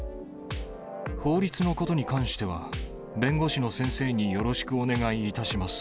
法律のことに関しては、弁護士の先生によろしくお願いいたします。